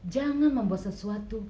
jangan membuat sesuatu